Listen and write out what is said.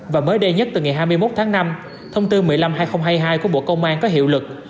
và mới đây nhất từ ngày hai mươi một tháng năm thông tư một mươi năm hai nghìn hai mươi hai của bộ công an có hiệu lực